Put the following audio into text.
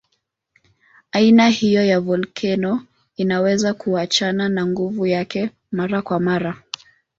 Aina hiyo ya volkeno inaweza kuachana na nguvu yake mara kwa mara.